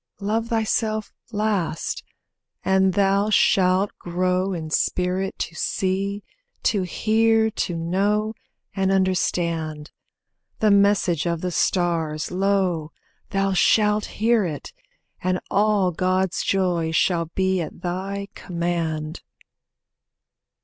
Love thyself last, and thou shalt grow in spirit To see, to hear, to know, and understand. The message of the stars, lo, thou shalt hear it, And all God's joys shall be at thy command.